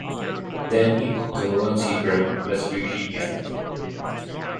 Then he moved to Ronceverte, West Virginia.